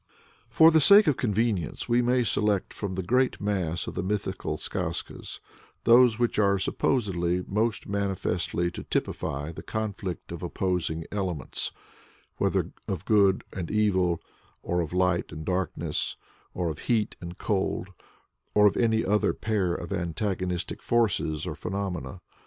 For the sake of convenience, we may select from the great mass of the mythical skazkas those which are supposed most manifestly to typify the conflict of opposing elements whether of Good and Evil, or of Light and Darkness, or of Heat and Cold, or of any other pair of antagonistic forces or phenomena.